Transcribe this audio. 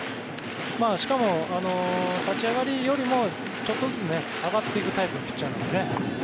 しかも立ち上がりよりもちょっとずつ上がっていくタイプのピッチャーなのでね。